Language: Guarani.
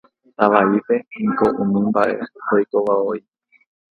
Tava'ípe niko umi mba'e ndoikoivavoi.